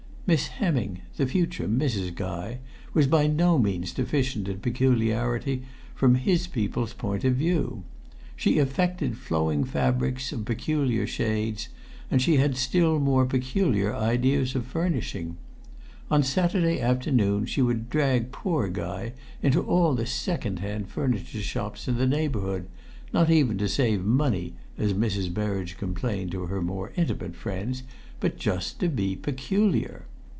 Miss Hemming, the future Mrs. Guy, was by no means deficient in peculiarity from his people's point of view. She affected flowing fabrics of peculiar shades, and she had still more peculiar ideas of furnishing. On Saturday afternoons she would drag poor Guy into all the second hand furniture shops in the neighbourhood not even to save money, as Mrs. Berridge complained to her more intimate friends but just to be peculiar.